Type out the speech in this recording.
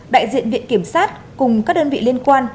đại diện viện kiểm sát cùng các đơn vị liên quan